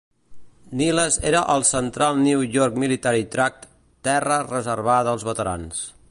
Niles era al Central New York Military Tract, terra reservada als veterans.